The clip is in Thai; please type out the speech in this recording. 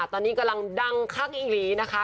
ตอนนี้กำลังดังคักอีกนิดนึงนะคะ